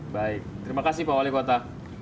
baik terima kasih pak wali kota